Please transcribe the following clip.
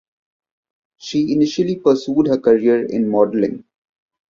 She initially pursued her career in modelling.